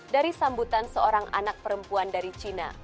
dari sambutan seorang anak perempuan dari cina